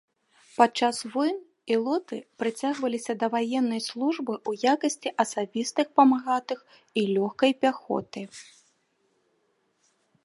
Падчас войн ілоты прыцягваліся да ваеннай службы ў якасці асабістых памагатых і лёгкай пяхоты.